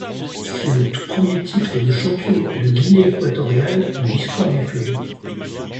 C'est le tout premier titre de champion de Guinée équatoriale de l'histoire du club.